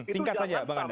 singkat saja bang anda